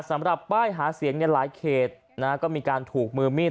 สำหรับป้ายหาเสียงเนี่ยหลายเขตนะฮะก็มีการถูกมือมีด